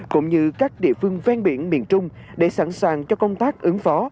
cũng như các địa phương ven biển miền trung để sẵn sàng cho công tác ứng phó